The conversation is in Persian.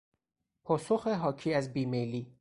پاسخ حاکی از بیمیلی